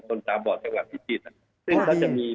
ตามบ่อจังหวัดพิจิตรซึ่งเขาจะมี